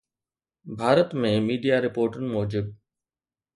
Bharat ۾ media رپورٽن موجب